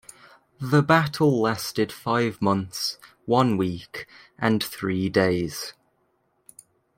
The battle lasted five months, one week, and three days.